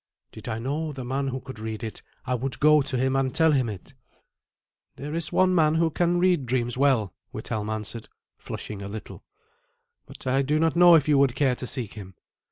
"Did I know the man who could read it, I would go to him and tell him it." "There is one man who can read dreams well," Withelm answered, flushing a little, "but I do not know if you would care to seek him.